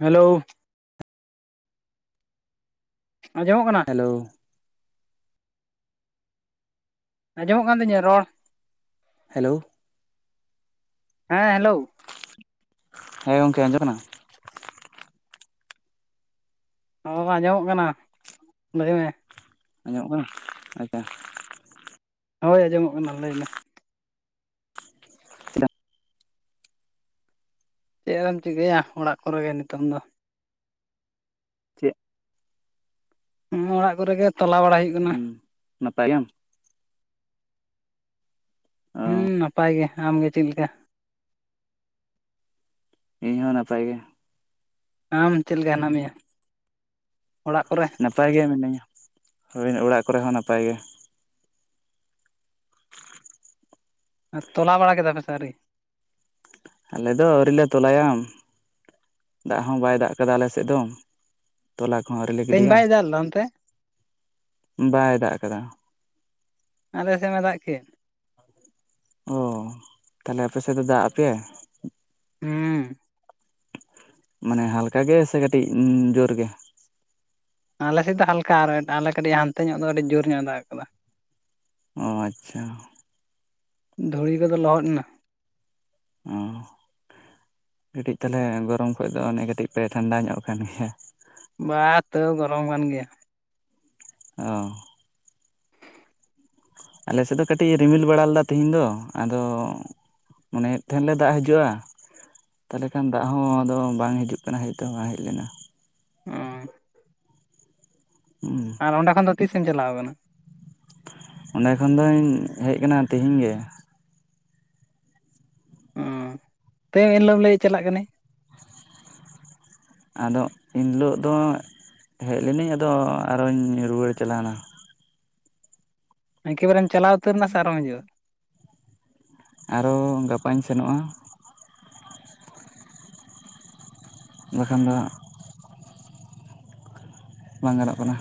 Hello ᱟᱸᱡᱚᱢᱼᱚᱜ ᱠᱟᱱᱟ hello ᱟᱸᱡᱚᱢᱼᱚᱜ ᱠᱟᱱ ᱛᱤᱧᱟᱹ ᱨᱚᱲ ᱦᱮᱞᱳ ᱦᱮᱸ ᱦᱮᱞᱳ ᱦᱮᱸ ᱜᱚᱢᱠᱮ ᱟᱸᱡᱚᱢ ᱫᱟᱢ ᱟᱸᱡᱚᱢᱼᱚᱜ ᱠᱟᱱᱟ ᱞᱟᱹᱭᱢᱮ ᱟᱸᱡᱚᱢᱼᱚᱜ ᱠᱟᱱᱟ ᱟᱪᱪᱷᱟ ᱦᱳᱭ ᱟᱸᱡᱚᱢᱼᱚᱜ ᱠᱟᱱᱟ ᱞᱟᱹᱭ ᱢᱮ ᱪᱮᱫᱟᱜ ᱪᱮᱫ ᱮᱢ ᱪᱤᱠᱟᱹᱭᱼᱟ ᱚᱲᱟᱜ ᱠᱚᱨᱮ ᱜᱮ ᱱᱤᱛᱚᱝ ᱫᱚ ᱪᱮᱫ ᱚᱲᱟᱜ ᱠᱚᱨᱮ ᱜᱮ ᱛᱟᱞᱟ ᱵᱟᱲᱟᱭ ᱦᱩᱭᱩᱜ ᱠᱟᱱᱟ ᱦᱩᱸ ᱱᱟᱯᱟᱭ ᱜᱮᱭᱟᱢ ᱦᱩᱸ ᱚ ᱱᱟᱯᱟᱭ ᱜᱮᱭᱟ ᱟᱢᱜᱮ ᱪᱮᱫ ᱞᱮᱠᱟ ᱤᱧ ᱦᱚᱸ ᱱᱟᱯᱟᱭ ᱜᱮ ᱟᱢ ᱪᱮᱫ ᱞᱮᱠᱟ ᱦᱮᱱᱟᱜ ᱢᱮᱭᱟ ᱚᱲᱟᱜ ᱠᱚᱨᱮ ᱱᱟᱯᱟᱭ ᱜᱮ ᱢᱤᱱᱟᱹᱧᱟ ᱦᱳᱭ ᱚᱲᱟᱜ ᱠᱚᱨᱮ ᱦᱚᱸ ᱱᱟᱯᱟᱭ ᱜᱮ [unintelligible] ᱛᱚᱞᱟ ᱵᱟᱲᱟ ᱠᱮᱫᱟ ᱯᱮ ᱥᱮ ᱟᱹᱣᱨᱤ ᱟᱞᱮ ᱫᱚ ᱟᱹᱣᱨᱤ ᱞᱮ ᱛᱚᱞᱟᱭᱟ ᱫᱟᱜ ᱦᱚᱸ ᱵᱟᱭ ᱫᱟᱜ ᱠᱟᱫᱟ ᱟᱞᱮ ᱥᱮᱫ ᱫᱚ ᱛᱚᱞᱟ ᱠᱚᱦᱚᱸ ᱟᱹᱣᱨᱤ ᱞᱮ ᱛᱮᱦᱮᱧ ᱜᱤᱰᱤᱭᱟ ᱵᱟᱭ ᱫᱟᱜ ᱞᱮᱫᱟ ᱚᱱᱛᱮ ᱵᱟᱭ ᱫᱟᱜ ᱟᱠᱟᱫᱟ ᱟᱞᱮ ᱥᱮᱫ ᱢᱟᱭ ᱫᱟᱜ ᱠᱮᱫ ᱚᱦᱚ ᱛᱟᱦᱞᱮ ᱟᱯᱮ ᱥᱮᱫ ᱫᱚ ᱫᱟᱜᱼᱟᱜ ᱯᱮᱭᱟᱭ ᱦᱩᱸ ᱢᱟᱱᱮ ᱦᱟᱞᱠᱟ ᱜᱮ ᱥᱮ ᱠᱟᱹᱴᱤᱡ ᱡᱳᱨ ᱜᱮ ᱟᱞᱮᱥᱮᱡ ᱫᱚ ᱦᱟᱞᱠᱟ ᱟᱨ ᱟᱞᱮ ᱠᱟᱹᱴᱤᱡ ᱦᱟᱱᱛᱮ ᱧᱚᱜ ᱫᱚ ᱟᱹᱰᱤ ᱡᱳᱨ ᱧᱚᱜ ᱫᱟᱜ ᱟᱠᱟᱫᱟ ᱚ ᱟᱪᱪᱷᱟ ᱫᱷᱩᱲᱤ ᱠᱚᱫᱚ ᱞᱚᱦᱚᱫ ᱮᱱᱟ ᱚ ᱠᱟᱹᱴᱤᱡ ᱛᱟᱞᱦᱮ ᱜᱚᱨᱚᱢ ᱠᱷᱚᱡ ᱫᱚ ᱚᱱᱮ ᱠᱟᱹᱴᱤᱡ ᱯᱮ ᱴᱷᱟᱱᱰᱟ ᱧᱚᱜ ᱠᱟᱱ ᱜᱮᱭᱟ ᱵᱟ ᱛᱟᱹᱣ ᱜᱚᱨᱚᱢ ᱠᱟᱱ ᱜᱮᱭᱟ ᱚᱻ ᱟᱞᱮ ᱥᱮᱫ ᱫᱚ ᱠᱟᱹᱴᱤᱡ ᱨᱤᱢᱤᱞ ᱵᱟᱲᱟ ᱞᱮᱫᱟ ᱛᱮᱦᱤᱧ ᱫᱚ ᱟᱫᱚ ᱢᱟᱱᱮᱼᱮᱫ ᱛᱟᱦᱮᱱ ᱞᱮ ᱫᱟᱜ ᱦᱤᱡᱩᱜᱼᱟ ᱛᱟᱦᱞᱮ ᱠᱷᱟᱱ ᱫᱟᱜ ᱦᱚᱸ ᱟᱫᱚ ᱵᱟᱝ ᱦᱤᱡᱩᱜ ᱠᱟᱱᱟ ᱦᱮᱡ ᱛᱚ ᱵᱟᱝ ᱦᱮᱡ ᱞᱮᱱᱟ ᱚᱸ ᱦᱩᱸ ᱟᱨ ᱚᱸᱰᱮ ᱠᱷᱚᱱ ᱫᱚ ᱛᱤᱥ ᱮᱢ ᱪᱟᱞᱟᱣ ᱟᱠᱟᱱᱟ? ᱚᱸᱰᱮ ᱠᱷᱚᱱ ᱫᱩᱧ ᱦᱮᱡ ᱠᱟᱱᱟ ᱛᱤᱦᱤᱧ ᱜᱮᱸ ᱚ ᱛᱟᱹᱣ ᱮᱱᱦᱤᱞᱳᱜ ᱮᱢ ᱞᱟᱹᱭᱮᱫ ᱪᱟᱞᱟᱜ ᱠᱟᱹᱱᱟᱧ᱾ ᱟᱫᱚ ᱮᱱᱦᱤᱞᱳᱜ ᱫᱚ ᱦᱮᱡ ᱞᱮᱱᱟᱹᱧ ᱟᱫᱚ ᱟᱨᱚᱧ ᱨᱩᱣᱟᱹᱲ ᱪᱟᱞᱟᱣᱱᱟ᱾ ᱮᱠᱵᱟᱨᱮᱢ ᱪᱟᱞᱟᱣ ᱩᱛᱟᱹᱨᱱᱟ ᱥᱮ ᱟᱨᱚᱢ ᱦᱤᱡᱩᱜᱼᱟ? ᱟᱨᱚ ᱜᱟᱯᱟᱧ ᱥᱮᱱᱚᱜᱼᱟ᱾ ᱵᱟᱠᱷᱟᱱ ᱫᱚ ᱦᱩᱸ ᱵᱟᱝ ᱜᱟᱱᱚᱜ ᱠᱟᱱᱟ᱾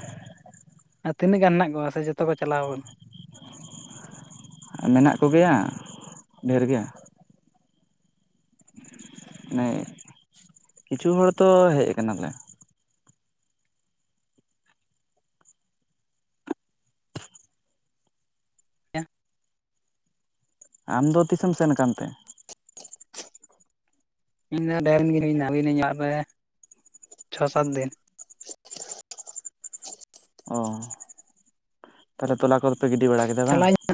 ᱟᱨ ᱛᱤᱱᱟᱹᱜ ᱜᱟᱱ ᱦᱮᱱᱟᱜ ᱠᱚᱣᱟ ᱥᱮ ᱡᱚᱛᱚ ᱠᱚ ᱪᱟᱞᱟᱣ ᱢᱮᱱᱟᱜ ᱠᱚ ᱜᱮᱣᱟ ᱰᱷᱮᱨ ᱜᱮ ᱦᱮᱸ ᱠᱤᱪᱷᱩ ᱦᱚᱲ ᱫᱚ ᱦᱮᱡ ᱠᱟᱱᱟ ᱞᱮ ᱮᱣᱟ ᱟᱢ ᱫᱚ ᱛᱤᱥᱮᱢ ᱥᱮᱱ ᱟᱠᱟᱱ ᱛᱮ? ᱤᱧ ᱫᱚ ᱰᱷᱮᱨ ᱜᱤᱧ ᱦᱩᱭᱮᱱᱟ ᱵᱟᱨ ᱯᱮ ᱪᱷᱚ ᱥᱟᱛ ᱫᱤᱱ᱾ ᱚ ᱛᱟᱦᱚᱞᱮ ᱛᱚᱞᱟ ᱠᱚᱫᱚ ᱯᱮ ᱜᱤᱰᱤ ᱵᱟᱲᱟ ᱠᱮᱫᱟ ᱵᱟᱝ᱾ ᱪᱟᱞᱟᱜ ᱟᱹᱧ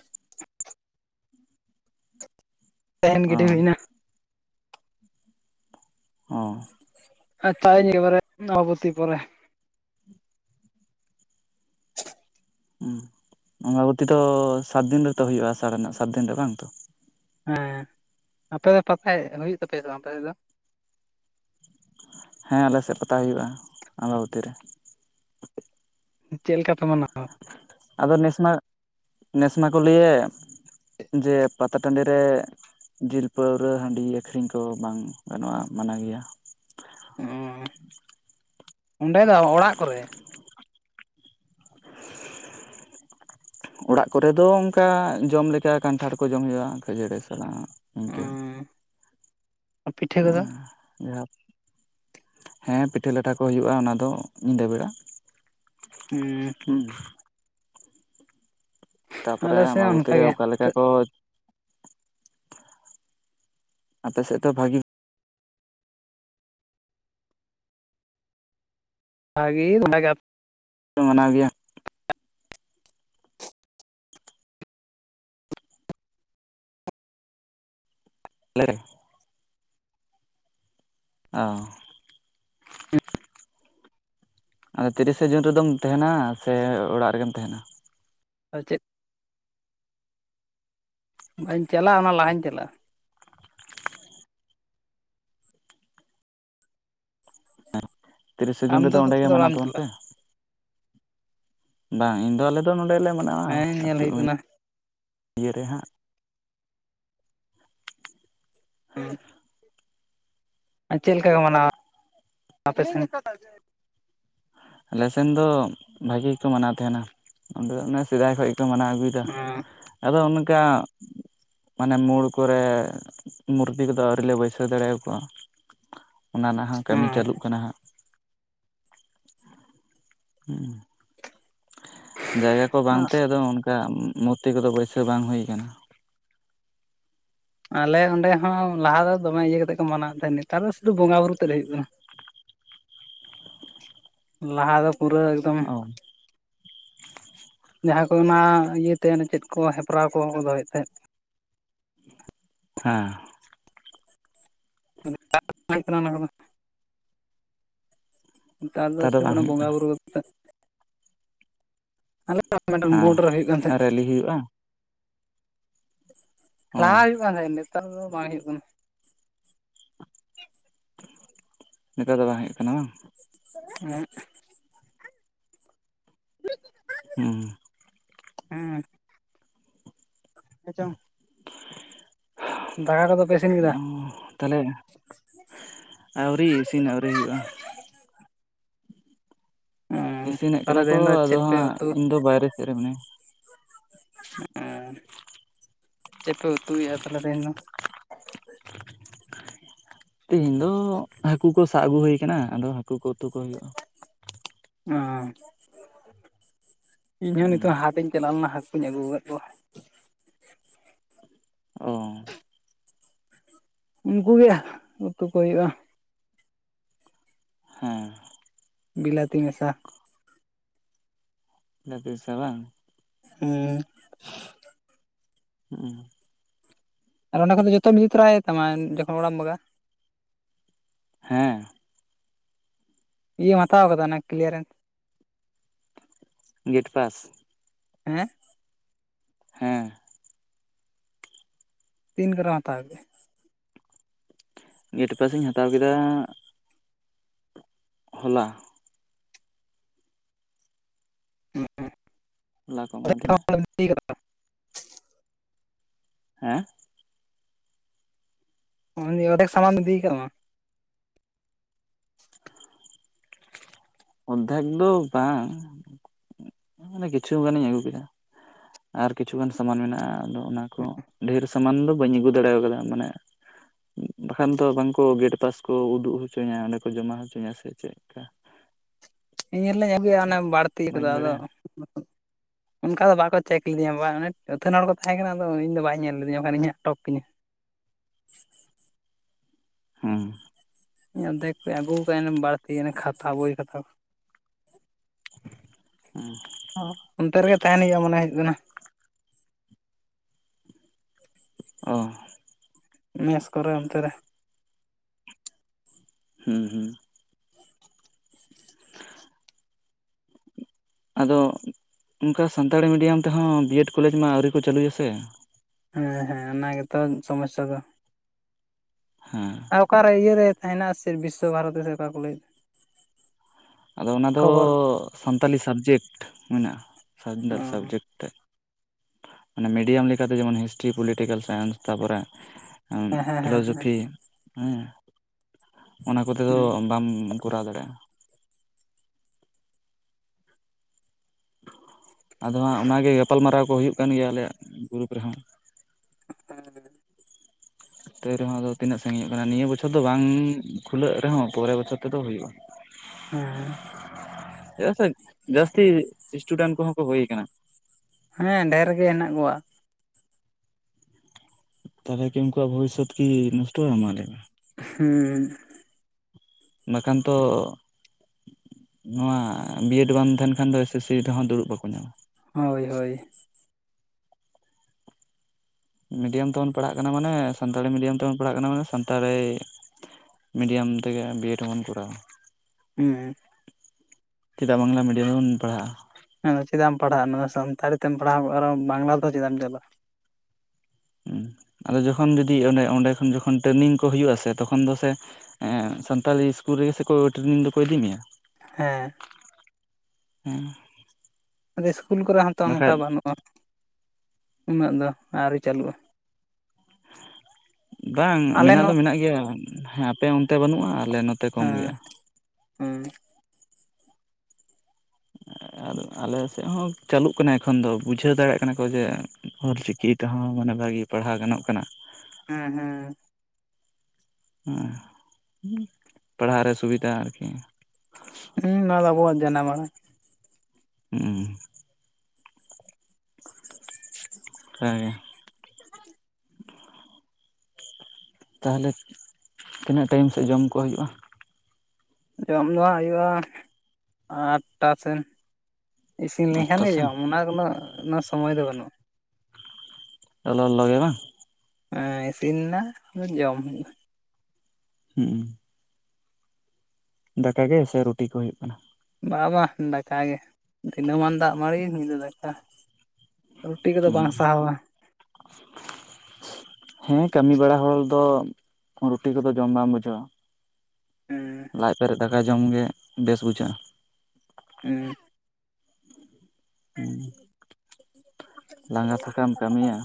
ᱛᱮᱦᱮᱱ ᱚ ᱜᱤᱰᱤ ᱦᱳᱭᱱᱟ ᱚ ᱟᱨ ᱪᱟᱜ ᱤᱧ ᱵᱟᱨᱮ ᱟᱢᱵᱟᱵᱚᱛᱤ ᱯᱚᱨᱮ [unintelligible] ᱦᱩᱸ ᱟᱢᱟᱵᱚᱛᱤ ᱫᱚ ᱥᱟᱛ ᱫᱤᱱ ᱨᱮᱛᱚ ᱦᱩᱭᱩᱜᱼᱟ ᱟᱥᱟᱲ ᱨᱮᱱᱟᱜ ᱥᱟᱛ ᱫᱤᱱ ᱨᱮ ᱵᱟᱝ ᱛᱚ ᱦᱮᱸ ᱟᱯᱮ ᱯᱟᱛᱟ ᱦᱩᱭᱩᱜ ᱛᱟᱯᱮᱭᱟ ᱥᱮ ᱵᱟᱝ ᱟᱯᱮ ᱥᱮᱫ ᱫᱚ ᱦᱮᱸ ᱟᱞᱮ ᱥᱮᱫ ᱯᱟᱛᱟ ᱦᱩᱭᱩᱜᱼᱟ ᱟᱢᱵᱟᱵᱚᱛᱤ ᱨᱮ ᱪᱮᱫ ᱞᱮᱠᱟ ᱯᱮ ᱢᱟᱱᱟᱣ? ᱟᱫᱚ ᱱᱮᱥ ᱢᱟ ᱱᱮᱥ ᱢᱟ ᱠᱚ ᱞᱟᱹᱭᱮᱫ ᱡᱮ ᱯᱟᱛᱟ ᱴᱟᱹᱰᱤ ᱨᱮ ᱡᱤᱞ ᱯᱟᱹᱣᱨᱟᱹ ᱦᱟᱹᱰᱤ ᱟᱹᱠᱷᱨᱤᱧ ᱠᱚ ᱵᱟᱝ ᱜᱟᱱᱚᱜᱼᱟ ᱢᱟᱱᱟ ᱜᱮᱣᱟ᱾ ᱚ ᱚᱸᱰᱮ ᱫᱚ ᱚᱲᱟᱜ ᱠᱚᱨᱮᱜ? ᱚᱲᱟᱜ ᱠᱚᱨᱮ ᱫᱚ ᱚᱱᱠᱟ ᱡᱚᱢ ᱞᱮᱠᱟ ᱠᱟᱱᱴᱷᱟᱲ ᱠᱚ ᱡᱚᱢ ᱦᱳᱭᱳᱜᱼᱟ ᱠᱷᱟᱹᱡᱟᱹᱲᱤ ᱥᱟᱞᱟᱜ᱾ ᱤᱧᱠᱟ ᱯᱤᱴᱷᱟᱹ ᱦᱩᱸ ᱠᱚᱫᱚ ᱡᱟᱦᱟᱸ ᱦᱮᱸ ᱯᱤᱴᱷᱟᱹ ᱞᱟᱴᱷᱟ ᱠᱚ ᱦᱩᱭᱩᱜᱼᱟ ᱚᱱᱟ ᱫᱚ ᱧᱤᱫᱟᱹ ᱵᱮᱲᱟ ᱦᱩᱸ‌ ᱛᱟᱯᱚᱨᱮ ᱟᱞᱮ ᱥᱮᱫ ᱟᱢᱵᱟᱵᱚᱛᱤ ᱨᱮ ᱚᱱᱠᱟᱜᱮ ᱚᱠᱟ ᱞᱮᱠᱟ ᱠᱚ ᱟᱯᱮ ᱥᱮᱫ ᱫᱚ ᱵᱷᱟᱜᱤ ᱵᱷᱟᱜᱤ ᱚᱱᱟᱜᱟᱫ ᱢᱟᱱᱟᱣ ᱜᱮᱣᱟ ᱟᱞᱮ ᱞᱮᱠᱟᱜᱮ ᱚ ᱟᱫᱚ ᱛᱤᱨᱤᱥᱮ ᱡᱩᱱ ᱨᱮᱫᱚᱢ ᱛᱟᱦᱮᱸᱱᱟ ᱥᱮ ᱚᱲᱟᱜ ᱨᱮᱜᱮᱢ ᱛᱟᱦᱮᱸᱱᱟ? ᱟᱨ ᱪᱮᱜ ᱵᱟᱹᱧ ᱪᱟᱞᱟᱜᱼᱟ ᱚᱱᱟ ᱞᱟᱦᱟᱧ ᱪᱟᱞᱟᱜᱼᱟ ᱛᱤᱨᱤᱥᱮ ᱡᱩᱱ ᱟᱢ ᱨᱮᱫᱚ ᱫᱚ ᱚᱸᱰᱮ ᱛᱚᱛᱚ ᱜᱮ ᱫᱚ ᱚᱲᱟᱜ ᱢᱟᱱᱟᱣ ᱮᱢ ᱛᱟᱵᱚᱱ ᱪᱟᱞᱟᱜᱼᱟ ᱯᱮ ᱵᱟᱝ ᱤᱧ ᱫᱚ ᱟᱞᱮ ᱫᱚ ᱱᱚᱸᱰᱮ ᱞᱮ ᱢᱟᱱᱟᱣᱟ ᱦᱮᱸ ᱧᱮᱞ ᱟᱹᱛᱩ ᱦᱩᱭᱩᱜ ᱠᱟᱱᱟ ᱤᱭᱟᱹ ᱨᱮ ᱦᱟᱸᱜ ᱚ ᱪᱮᱜ ᱞᱮᱠᱟ ᱠᱚ ᱢᱟᱱᱟᱣᱟ ᱟᱯᱮ ᱥᱮᱱ? ᱟᱞᱮᱥᱮᱱ ᱫᱚ ᱵᱷᱟᱜᱤ ᱜᱮᱠᱚ ᱢᱟᱱᱟᱣ ᱛᱟᱦᱮᱱᱟ ᱚᱸᱰᱮ ᱫᱚ ᱚᱱᱮ ᱥᱮᱫᱟᱭ ᱠᱷᱚᱡ ᱜᱮᱠᱚ ᱢᱟᱱᱟᱣ ᱟᱹᱜᱩᱭ᱾ ᱜᱟ ᱟᱫᱚ ᱚᱱᱠᱟ ᱢᱟᱱᱮ ᱢᱳᱲ ᱠᱚᱨᱮ ᱢᱩᱨᱛᱤ ᱠᱚᱫᱚ ᱟᱹᱣᱨᱤ ᱞᱮ ᱵᱟᱹᱭᱥᱟᱹᱣ ᱫᱟᱲᱮᱭᱟ ᱠᱚᱣᱟ ᱚᱱᱟ ᱱᱟᱜ ᱦᱚᱸ ᱠᱟᱹᱢᱤ ᱦᱮᱸ ᱪᱟᱹᱞᱩᱜ ᱠᱟᱱᱟ ᱦᱟᱸᱜ᱾ ᱦᱩᱸ ᱡᱟᱭᱜᱟ ᱠᱚ ᱵᱟᱝ ᱛᱮ ᱟᱫᱚ ᱚᱱᱠᱟ ᱢᱩᱨᱛᱤ ᱠᱚᱫᱚ ᱵᱟᱹᱭᱥᱟᱹᱣ ᱵᱟᱝ ᱦᱩᱭ ᱠᱟᱱᱟ᱾ ᱟᱞᱮ ᱚᱸᱰᱮ ᱦᱚᱸ ᱞᱟᱦᱟ ᱫᱚ ᱫᱚᱢᱮ ᱤᱭᱟᱹ ᱠᱟᱛᱮᱫ ᱠᱚ ᱢᱟᱱᱟᱣᱮᱫ ᱛᱟᱦᱮᱸᱫ ᱱᱮᱛᱟᱨ ᱫᱚ ᱥᱩᱫᱷᱩ ᱵᱚᱸᱜᱟ ᱵᱩᱨᱩ ᱛᱮᱫ ᱦᱩᱭᱩᱜ ᱠᱟᱱᱟ ᱾ ᱞᱟᱦᱟ ᱫᱚ ᱯᱩᱨᱟᱹ ᱮᱠᱫᱚᱢ, ᱚ ᱡᱟᱸᱦᱟ ᱠᱚ ᱚᱱᱟ ᱤᱭᱟᱹ ᱛᱮ ᱪᱮᱫ ᱠᱚ ᱦᱮᱯᱨᱟᱣ ᱠᱚ ᱫᱚᱦᱚᱭᱮᱫ ᱛᱟᱸᱦᱮᱫ ᱾ ᱦᱮᱸ ᱾ [unintelligible] ᱚᱱᱟ ᱠᱚᱫᱚ, ᱱᱮᱛᱟᱨ ᱫᱚ ᱥᱮ ᱵᱟᱝ ᱠᱳᱱᱳ ᱦᱩᱭᱩᱜ ᱵᱚᱸᱜᱟ ᱠᱟᱱᱟ ᱵᱩᱨᱩ ᱟᱞᱮ [unintelligible] ᱦᱮᱸ ᱵᱳᱨᱰ ᱨᱮ ᱦᱳᱭᱳᱜ ᱠᱟᱱ ᱟᱨ ᱛᱟᱸᱦᱮᱫ ᱾ ᱨᱮᱞᱤ ᱦᱩᱭᱩᱜᱼᱟ ᱚ ᱞᱟᱦᱟ ᱦᱩᱭᱩᱜ ᱠᱟᱱ ᱛᱟᱸᱦᱮ ᱱᱮᱛᱟᱨ ᱫᱚ ᱵᱟᱝ ᱦᱩᱭᱩᱜ ᱠᱟᱱᱟ ᱾ ᱱᱮᱛᱟᱨ ᱫᱚ ᱵᱟᱝ ᱦᱩᱭᱩᱜ ᱠᱟᱱᱟ ᱵᱟᱝ ᱾ ᱮᱸᱦᱩᱜ, [inaudible] ᱦᱩᱸ, ᱦᱩᱸ, ᱦᱮᱪᱚᱝ, ᱠᱚᱫᱚ ᱯᱮ ᱤᱥᱤᱱ ᱠᱮᱫᱟ [inaudible] ᱛᱟᱦᱚᱞᱮ ᱟᱹᱣᱨᱤ ᱤᱥᱤᱱ ᱟᱹᱣᱨᱤ ᱦᱩᱭᱩᱜᱼᱟ ᱾ ᱚᱸ ᱤᱥᱤᱱᱮᱫ ᱠᱟᱱᱟ ᱛᱟᱦᱚᱞᱮ ᱠᱚ ᱛᱮᱦᱮᱧ ᱫᱚ ᱟᱫᱚ ᱪᱮᱫ ᱦᱟᱸᱜ ᱤᱧ ᱫᱚ ᱵᱟᱭᱨᱮ ᱥᱮᱫ ᱨᱮ ᱢᱮᱱᱟᱹᱧᱟ ᱾ ᱪᱮᱫᱯᱮ ᱩᱛᱩᱭᱮᱫᱼᱟ ᱛᱟᱦᱞᱮ ᱛᱮᱦᱮᱧ ᱫᱚ? ᱛᱮᱦᱤᱧ ᱫᱚ ᱦᱟᱹᱠᱩ ᱠᱚ ᱥᱟᱵ ᱟᱹᱜᱩ ᱦᱩᱭ ᱟᱠᱟᱱᱟ ᱾ ᱟᱫᱚ ᱦᱟᱹᱠᱩ ᱠᱚ ᱩᱛᱩ ᱠᱚ ᱦᱩᱭᱩᱜᱼᱟ ᱾ ᱚ ᱤᱧ ᱦᱚᱸ ᱦᱩᱸ ᱱᱤᱛᱚᱜ ᱦᱟᱛᱤᱧ, ᱪᱟᱞᱟᱣ ᱞᱮᱱᱟ ᱦᱟᱹᱠᱩᱧ ᱟᱹᱜᱩ ᱟᱠᱟᱫ ᱠᱚᱣᱟ ᱾ ᱚ ᱩᱱᱠᱩ ᱜᱮ ᱩᱛᱩ ᱠᱚ ᱦᱩᱭᱩᱜᱼᱟ ᱾ ᱦᱮᱸ ᱵᱤᱞᱟᱹᱛᱤ ᱢᱮᱥᱟ, ᱡᱟᱯᱤᱫ ᱥᱮ ᱵᱟᱝ, ᱦᱩᱸ, ᱦᱩᱸᱜ, ᱟᱨ ᱚᱸᱰᱮ ᱠᱷᱚᱱ ᱫᱚ ᱡᱚᱛᱚᱢ ᱤᱫᱤ ᱛᱚᱨᱟᱭ ᱛᱟᱢᱟ ᱡᱚᱠᱷᱚᱱ ᱚᱲᱟᱜ ᱮᱢ ᱵᱟᱜᱟᱜᱼᱟ ᱾ ᱦᱮᱸ, ᱤᱭᱟᱹ ᱮᱢ ᱦᱟᱛᱟᱣ ᱠᱟᱫᱟ ᱚᱱᱟ ᱠᱞᱤᱭᱟᱨᱮᱱ, ᱜᱮᱴ ᱯᱟᱥ, ᱦᱮᱸ, ᱦᱮᱸ, ᱛᱤᱱ ᱠᱚᱨᱮᱢ ᱦᱟᱛᱟᱣ ᱠᱮᱫᱼᱟ? ᱜᱮᱴ ᱯᱟᱥ ᱤᱧ ᱦᱟᱛᱟᱣ ᱠᱮᱫᱟ, ᱦᱚᱞᱟ, ᱦᱚᱞᱟ ᱠᱚ ᱮᱢᱟ ᱫᱤᱧᱟ [unintelligible] ᱦᱮᱸ, ᱚ ᱚᱫᱷᱮᱠ ᱥᱟᱢᱟᱱ ᱤᱫᱤᱠᱟᱜ ᱛᱟᱢᱟ? ᱚᱫᱷᱮᱠ ᱫᱚ ᱵᱟᱝ, ᱢᱟᱱᱮ ᱠᱤᱪᱷᱩ ᱜᱟᱱᱤᱧ ᱟᱹᱜᱩ ᱠᱮᱫᱟ ᱟᱨ ᱠᱤᱪᱷᱩ ᱜᱟᱱ ᱥᱟᱢᱟᱱ ᱢᱮᱱᱟᱜᱼᱟ ᱾ ᱚᱱᱟ ᱠᱚ ᱰᱷᱮᱨ ᱥᱟᱢᱟᱱ ᱫᱚ ᱵᱟᱹᱧ ᱟᱹᱜᱩ ᱫᱟᱲᱮ ᱠᱟᱫᱟ ᱢᱟᱱᱮ, ᱵᱟᱠᱷᱟᱱ ᱫᱚ ᱵᱟᱝᱠᱚ ᱜᱮᱴ ᱯᱟᱥ ᱠᱚ ᱩᱫᱩᱜ ᱦᱚᱪᱚᱧᱟ ᱚᱸᱰᱮ ᱠᱚ ᱡᱚᱢᱟ ᱦᱚᱪᱚᱧᱟ ᱥᱮ ᱪᱮᱫ, [unintelligible] ᱤᱱ ᱦᱤᱞᱚᱧ ᱟᱹᱜᱩᱭᱟ ᱚᱱᱮ ᱵᱟᱹᱲᱛᱤ ᱠᱚᱫᱚ ᱵᱟᱹᱧ ᱟᱫᱚ, [inaudible] ᱚᱱᱠᱟ ᱫᱚ ᱵᱟᱠᱚ ᱪᱮᱠ ᱞᱮᱫᱤᱧᱟ ᱵᱟᱝ ᱮᱛᱷᱟᱹᱱ ᱦᱚᱲ ᱠᱚ ᱛᱟᱦᱮᱸ ᱠᱟᱱᱟ ᱟᱫᱚ ᱤᱧ ᱫᱚ ᱵᱟᱭ ᱧᱮᱞ ᱞᱤᱫᱤᱧ ᱵᱟᱠᱷᱟᱱ ᱤᱧᱟᱹᱜ ᱟᱴᱚᱠ ᱠᱤᱧᱟᱹ ᱾ ᱦᱩᱸ ᱤᱧ ᱟᱫᱷᱮ ᱠᱚ ᱟᱹᱜᱩ ᱠᱟᱜ ᱵᱟᱹᱲᱛᱤ ᱠᱷᱟᱛᱟ ᱵᱳᱭ ᱠᱷᱟᱛᱟ ᱠᱚ, ᱦᱩᱸ ᱚᱱᱛᱮ ᱨᱮᱜᱮ ᱛᱟᱦᱮᱱ ᱦᱩᱭᱩᱜᱼᱟ ᱢᱚᱱᱮ ᱦᱩᱭᱩᱜ ᱠᱟᱱᱟ ᱚ ᱢᱮᱥ ᱠᱚᱨᱮ ᱚᱱᱛᱮ ᱨᱮ ᱦᱩᱸ ᱦᱩᱸ ᱟᱫᱚ ᱚᱱᱠᱟ ᱥᱟᱱᱛᱟᱲᱤ ᱢᱤᱰᱤᱭᱟᱢ ᱛᱮᱦᱚᱸ ᱵᱤᱭᱮᱰ ᱠᱚᱞᱮᱡᱽ ᱢᱟ ᱟᱹᱣᱨᱤ ᱠᱚ ᱪᱟᱹᱞᱩᱭᱟ ᱥᱮ ᱦᱮᱸ ᱦᱮᱸ ᱚᱱᱟ ᱜᱮᱛᱚ ᱥᱚᱢᱚᱥᱟ ᱫᱚ ᱦᱮᱸ ᱟᱨ ᱚᱠᱟᱨᱮ ᱤᱭᱟᱹᱨᱮ ᱛᱟᱦᱮᱸᱱᱟ ᱥᱮ ᱵᱤᱥᱥᱚ ᱵᱷᱟᱨᱚᱛᱤ ᱥᱮ ᱚᱠᱟ ᱠᱚ ᱞᱟᱹᱭᱮᱫ ᱟᱫᱚ ᱚᱱᱟ ᱫᱚ ᱥᱟᱱᱛᱟᱞᱤ ᱥᱟᱵᱡᱮᱠᱴ ᱢᱮᱱᱟᱜᱼᱟ ᱚ ᱥᱟᱱᱛᱟᱲ ᱥᱟᱵᱡᱮᱠᱴ ᱛᱮᱫ ᱢᱟᱱᱮ ᱢᱤᱰᱤᱭᱟᱢ ᱞᱮᱠᱟᱛᱮ ᱡᱮᱢᱚᱱ ᱦᱤᱥᱴᱨᱤ, ᱯᱚᱞᱤᱴᱤᱠᱮᱞ ᱥᱟᱭᱮᱱᱥ ᱛᱟᱨᱯᱚᱨᱮ ᱦᱮᱸ ᱦᱮᱸ ᱦᱮᱸ ᱯᱷᱤᱞᱳᱡᱚᱯᱷᱤ ᱦᱩᱸ ᱚᱱᱟ ᱠᱚᱛᱮ ᱫᱚ ᱦᱮᱸ ᱵᱟᱢ ᱠᱚᱨᱟᱣ ᱫᱟᱲᱮᱭᱟᱜᱼᱟ ᱟᱫᱚ ᱦᱟᱸᱜ ᱚᱱᱟᱜᱮ ᱜᱟᱯᱟᱞᱢᱟᱨᱟᱣ ᱠᱚ ᱦᱩᱭᱩᱜ ᱠᱟᱱ ᱜᱮᱭᱟ ᱟᱞᱮᱭᱟᱜ ᱜᱨᱩᱯ ᱨᱮᱦᱚᱸ [unintelligible] ᱛᱮ ᱨᱮᱦᱚᱸ ᱟᱫᱚ ᱛᱤᱱᱟᱹᱜ ᱥᱟᱺᱜᱤᱧᱚᱜ ᱠᱟᱱᱟ ᱱᱤᱭᱟᱹ ᱵᱚᱪᱷᱚᱨ ᱫᱚ ᱵᱟᱝ ᱠᱷᱩᱞᱟᱹᱜ ᱨᱮᱦᱚᱸ ᱯᱚᱨᱮ ᱵᱚᱪᱷᱚᱨ ᱛᱮᱫᱚ ᱦᱩᱭᱩᱜᱼᱟ [inaudible] ᱦᱮᱸ ᱪᱮᱫᱟᱜ ᱥᱮ ᱡᱟᱹᱥᱛᱤ ᱥᱴᱩᱰᱮᱱᱴ ᱠᱚᱦᱚᱸ ᱠᱚ ᱦᱩᱭ ᱠᱟᱱᱟ ᱦᱮᱸ ᱰᱷᱮᱨ ᱜᱮ ᱦᱮᱱᱟᱜ ᱠᱚᱣᱟ ᱛᱟᱦᱚᱞᱮ ᱠᱤ ᱩᱱᱠᱩᱣᱟᱜ ᱵᱷᱚᱵᱤᱥᱥᱚᱛ ᱠᱤ ᱱᱚᱥᱴᱚᱜ-ᱟ ᱢᱟ ᱞᱟᱹᱭᱢᱮ? ᱦᱩᱸ ᱦᱩᱸ ᱵᱟᱠᱷᱟᱱ ᱛᱚ ᱱᱚᱣᱟ ᱵᱤᱭᱮᱰ ᱵᱟᱝ ᱛᱟᱦᱮᱱ ᱠᱷᱟᱱ ᱫᱚ ᱮᱥᱮᱥᱥᱤ ᱨᱮᱦᱚᱸ ᱫᱩᱲᱩᱵ ᱵᱟᱠᱚ ᱧᱟᱢᱟ ᱦᱳᱭ ᱦᱳᱭ ᱢᱤᱰᱤᱭᱟᱢ ᱛᱮᱵᱚᱱ ᱯᱟᱲᱦᱟᱜ ᱠᱟᱱᱟ ᱢᱟᱱᱮ ᱥᱟᱱᱛᱟᱲᱤ ᱢᱤᱰᱤᱭᱟᱢ ᱛᱮᱵᱚᱱ ᱯᱟᱲᱦᱟᱜ ᱠᱟᱱᱟ ᱢᱟᱱᱮ ᱥᱟᱱᱛᱟᱲᱤ ᱢᱤᱰᱤᱭᱟᱢ ᱛᱮᱜᱮ ᱵᱤᱭᱮᱰ ᱦᱚᱸ ᱵᱚᱱ ᱠᱚᱨᱟᱣᱟ ᱦᱩᱸ ᱪᱮᱫᱟᱜ ᱵᱟᱝᱞᱟ ᱢᱤᱰᱤᱭᱟᱢ ᱨᱮᱵᱚᱱ ᱯᱟᱲᱦᱟᱜᱼᱟ ᱦᱮᱸᱫᱚ ᱪᱮᱫᱟᱜ ᱮᱢ ᱯᱟᱲᱦᱟᱜᱼᱟ ᱱᱚᱜ-ᱚᱭ ᱥᱟᱱᱛᱟᱲᱤ ᱛᱮᱢ ᱯᱟᱲᱦᱟᱣᱼᱟ ᱟᱨᱚ ᱵᱟᱝᱞᱟ ᱛᱮ ᱪᱮᱫᱟᱜ ᱮᱢ ᱪᱟᱞᱟᱜᱼᱟ ᱦᱩᱸ ᱟᱫᱚ ᱡᱚᱠᱷᱚᱱ ᱡᱩᱫᱤ ᱚᱸᱰᱮ ᱚᱸᱰᱮ ᱠᱷᱚᱱ ᱡᱚᱠᱷᱚᱱ ᱴᱨᱮᱱᱤᱝ ᱠᱚ ᱦᱩᱭᱩᱜ ᱟᱥᱮ ᱛᱚᱠᱷᱚᱱ ᱫᱚ ᱥᱮ ᱥᱟᱱᱛᱟᱞᱤ ᱤᱥᱠᱩᱞ ᱨᱮᱜᱮ ᱥᱮ ᱠᱚ ᱴᱨᱮᱱᱤᱝ ᱫᱚᱠᱚ ᱤᱫᱤ ᱢᱮᱭᱟ ᱦᱮᱸ ᱦᱩᱸ ᱟᱫᱚ ᱤᱥᱠᱩᱞ ᱠᱚᱨᱮ ᱦᱚᱸᱛᱚ ᱚᱱᱝᱠᱟ ᱵᱟᱹᱱᱩᱜᱼᱟ ᱩᱱᱟᱹᱜ ᱫᱚ ᱟᱣᱨᱤ ᱪᱟᱹᱞᱩᱜᱼᱟ ᱵᱟᱝ ᱟᱞᱮ ᱢᱮᱱᱟᱜ ᱱᱚ ᱫᱚ ᱢᱮᱱᱟᱜ ᱜᱮᱭᱟ ᱦᱮᱸ ᱟᱯᱮ ᱚᱱᱛᱮ ᱵᱟᱹᱱᱩᱜᱼᱟ ᱟᱞᱮ ᱱᱚ ᱦᱮᱸ ᱦᱮᱸ [unintelligible] ᱟᱨ ᱟᱞᱮ ᱥᱮᱫ ᱦᱚᱸ ᱪᱟᱹᱞᱩᱜ ᱠᱟᱱᱟ ᱮᱠᱷᱚᱱ ᱫᱚ ᱵᱩᱡᱷᱟᱹᱣ ᱫᱟᱲᱮᱭᱟᱜ ᱠᱟᱱᱟ ᱠᱚ ᱡᱮ ᱚᱞ ᱪᱤᱠᱤ ᱛᱮᱦᱚᱸ ᱢᱟᱱᱮ ᱵᱷᱟᱜᱤᱭᱟ ᱯᱟᱲᱦᱟᱣ ᱜᱟᱱᱚᱜ ᱠᱟᱱᱟ ᱦᱮᱸ ᱦᱮᱸ ᱦᱩᱸ ᱯᱟᱲᱦᱟᱜ ᱨᱮ ᱥᱩᱵᱤᱫᱷᱟ ᱟᱨᱠᱤ ᱦᱩᱸ ᱱᱚᱣᱟ ᱫᱚ ᱟᱵᱚᱣᱟᱜ ᱡᱟᱱᱟᱢ ᱟᱲᱟᱝ ᱦᱩᱸ ᱦᱮᱸ ᱛᱟᱦᱚᱞᱮ ᱛᱤᱱᱟᱹᱜ ᱴᱟᱭᱤᱢ ᱥᱮᱫ ᱡᱚᱢ ᱠᱚ ᱦᱩᱭᱩᱜᱼᱟ ᱡᱚᱢ ᱫᱚ ᱦᱟᱸᱜ ᱦᱩᱭᱩᱜᱼᱟ ᱟᱴᱴᱟ ᱥᱮᱱ ᱤᱥᱤᱱ ᱟᱴᱴᱟ ᱞᱮᱱᱠᱷᱟᱱᱜᱮ ᱥᱮᱱ ᱡᱚᱢ ᱚᱱᱟ ᱠᱳᱱᱳ ᱥᱚᱢᱚᱭ ᱫᱚ ᱵᱟᱹᱱᱩᱜᱼᱟ ᱞᱚᱞᱚ ᱞᱚᱞᱚ ᱜᱮ ᱵᱟᱝ ᱦᱮᱸ ᱤᱥᱤᱱ ᱱᱟ ᱟᱫᱚ ᱡᱚᱢ [unintelligible] [unintelligible] ᱫᱟᱠᱟ ᱜᱮ ᱥᱮ ᱨᱩᱴᱤ ᱠᱚ ᱦᱩᱭᱩᱜ ᱠᱟᱱᱟ ᱵᱟᱝ ᱵᱟᱝ ᱫᱟᱠᱟ ᱜᱮ ᱫᱤᱱᱮ ᱢᱟᱱ ᱫᱟᱜ ᱢᱟᱹᱲᱤ ᱧᱤᱫᱟᱹ ᱫᱟᱠᱟ ᱨᱩᱴᱤ ᱠᱚᱫᱚ ᱦᱩᱸ ᱵᱟᱝ ᱥᱟᱦᱟᱣᱟ [inaudible] ᱦᱮᱸ ᱠᱟᱹᱢᱤ ᱵᱟᱲᱟ ᱦᱚᱲ ᱫᱚ ᱨᱩᱴᱤ ᱠᱚᱫᱚ ᱡᱚᱢ ᱵᱟᱢ ᱵᱩᱡᱷᱟᱹᱣᱟ ᱦᱩᱸ ᱞᱟᱡ ᱯᱮᱨᱮᱡ ᱫᱟᱠᱟ ᱡᱚᱢᱜᱮ ᱵᱮᱥ ᱵᱩᱡᱷᱟᱹᱜᱼᱟ [unintelligible] ᱞᱟᱸᱜᱟ ᱥᱟᱷᱟᱠᱟᱢ ᱠᱟᱹᱢᱤᱭᱟ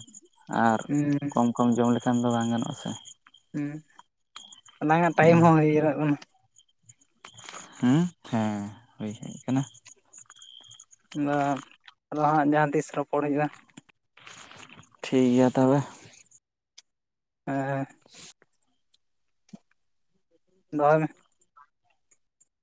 ᱟᱨ ᱦᱩᱸ ᱠᱚᱢ ᱠᱚᱢ ᱡᱚᱢ ᱞᱮᱠᱷᱟᱱ ᱫᱚ ᱵᱟᱝ ᱜᱟᱱᱚᱜᱼᱟ ᱥᱮ ᱦᱩ ᱚᱞᱟᱝᱟᱜ ᱴᱟᱭᱤᱢ ᱦᱚᱸ ᱦᱚᱭ [unintelligible] ᱦᱩ ᱦᱮᱸ ᱦᱳᱭ ᱦᱮᱡ ᱠᱟᱱᱟ ᱟᱫᱚ ᱟᱨ ᱟᱫᱚ ᱦᱟᱸᱜ ᱡᱟᱦᱟᱸ ᱛᱤᱥ ᱨᱚᱯᱚᱲ ᱦᱩᱭᱩᱜᱼᱟ ᱴᱷᱤᱠ ᱜᱮᱭᱟ ᱛᱚᱵᱮ ᱦᱮᱸ ᱫᱚᱦᱚᱭ ᱢᱮ